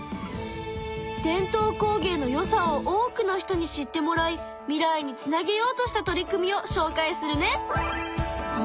伝統工芸のよさを多くの人に知ってもらい未来につなげようとした取り組みをしょうかいするね。